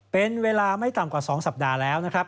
เป็นเวลาไม่ต่ำกว่า๒สัปดาห์แล้วนะครับ